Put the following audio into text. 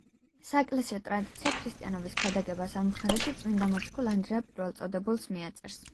საეკლესიო ტრადიცია ქრისტიანობის ქადაგებას ამ მხარეში წმინდა მოციქულ ანდრია პირველწოდებულს მიაწერს.